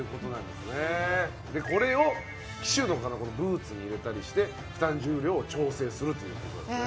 でこれを騎手の方のこのブーツに入れたりして負担重量を調整するということなんですね